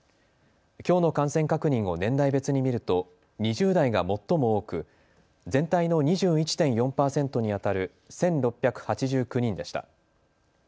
きょうの感染確認を年代別に見ると２０代が最も多く全体の２１．４％にあたる１６８９人でした。